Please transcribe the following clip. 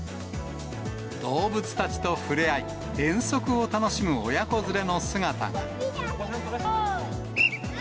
動物たちと触れ合い、遠足を楽しむ親子連れの姿が。